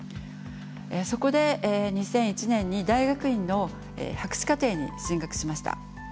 そこで２００１年に大学院の博士課程に進学しました。